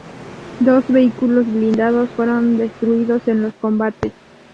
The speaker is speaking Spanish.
Dos vehículos blindados fueron destruidos en los combates.